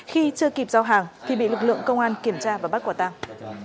khi chưa kịp giao hàng thì bị lực lượng công an kiểm tra và bắt quả tăng